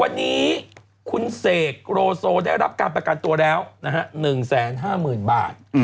วันนี้คุณเสกโรโซได้รับการประกันตัวแล้ว๑๕๐๐๐บาท